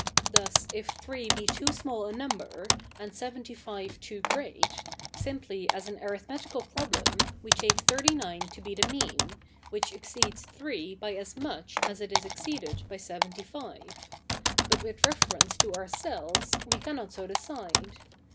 Thus, if three be too small a fiumber, a?id sevefityfive too great, simply as an arith metical problem, we take thirty nine to be the mean, which exceeds three by as much as it is exceeded by seventy five ; but with refe?'ence to ourselves we cannot so decide.